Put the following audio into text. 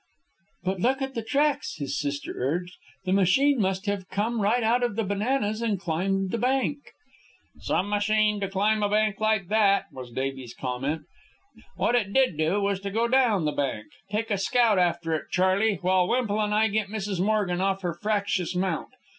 "But look at the tracks," his sister urged. "The machine must have come right out of the bananas and climbed the bank." "Some machine to climb a bank like that," was Davies' comment. "What it did do was to go down the bank take a scout after it, Charley, while Wemple and I get Mrs. Morgan off her fractious mount.